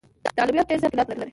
دا عملیات ډېر زیات مشکلات لري.